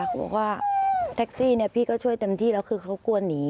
บอกว่าแท็กซี่พี่ก็ช่วยเต็มที่แล้วคือเขากลัวหนี